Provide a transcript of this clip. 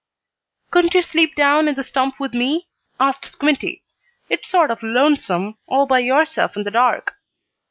"Couldn't you sleep down in the stump with me?" asked Squinty. "It's sort of lonesome, all by yourself in the dark."